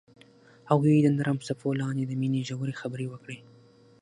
هغوی د نرم څپو لاندې د مینې ژورې خبرې وکړې.